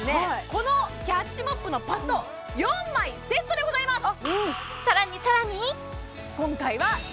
このキャッチモップのパッド４枚セットでございます